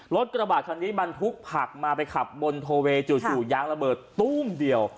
กระบาดคันนี้บรรทุกผักมาไปขับบนโทเวย์จู่ยางระเบิดตู้มเดียว